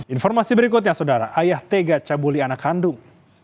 informasi berikutnya saudara ayah tega cabuli anak kandung